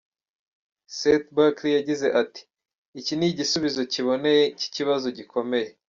Seth Berkley yagize ati “Iki ni igisubizo kiboneye cy’ikibazo gikomeye.